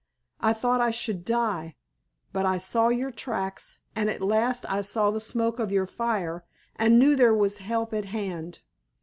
I thought I should die. But I saw your tracks, and at last I saw the smoke of your fire and knew there was help at hand.